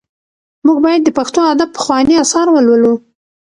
موږ باید د پښتو ادب پخواني اثار ولولو.